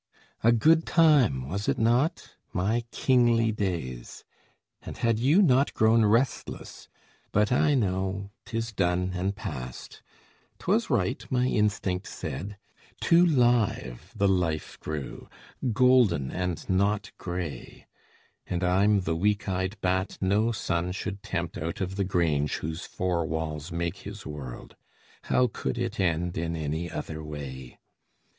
A good time, was it not, my kingly days, And had you not grown restless ... but I know 'Tis done and past; 'twas right, my instinct said; Too live the life grew, golden and not gray; And I'm the weak eyed bat no sun should tempt Out of the grange whose four walls make his world. How could it end in any other way?